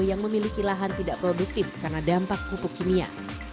yang memiliki lahan tidak produktif karena dampak pupuk kimia